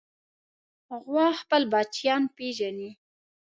غوا خپل بچیان پېژني.